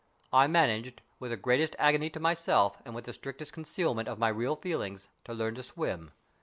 I managed, with the greatest agony to myself and with the strictest concealment of my real feelings, to learn to swim.